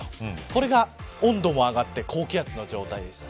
これが温度も上がって高気圧の状態です。